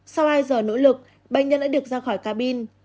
sau hai giờ nỗ lực bệnh nhân đã được ra khỏi cabin